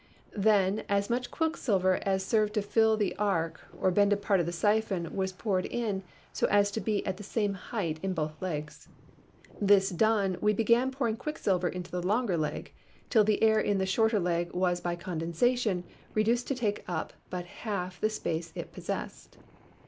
Then as much quicksilver as served to fill the arch or bended part of the siphon was poured in so as to be at the same height in both legs. This done, we began pouring quicksilver into the longer leg till the air in the shorter leg was by condensation reduced to take up but half the space it possessed.